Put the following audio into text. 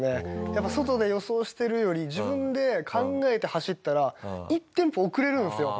やっぱ外で予想してるより自分で考えて走ったら１テンポ遅れるんですよ。